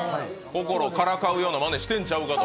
からかうようなまねしてるんちゃうかと。